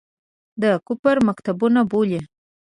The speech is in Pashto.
د کفر مکتبونه بولي.